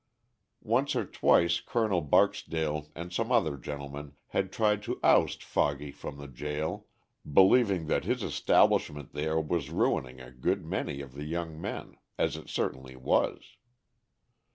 Once or twice Colonel Barksdale and some other gentlemen had tried to oust "Foggy" from the jail, believing that his establishment there was ruining a good many of the young men, as it certainly was.